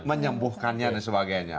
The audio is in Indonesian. menyembuhkannya dan sebagainya